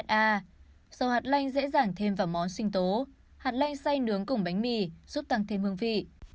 dầu hạt lanh dễ dàng thêm vào món sinh tố hạt lanh xay nướng cùng bánh mì giúp tăng thêm hương vị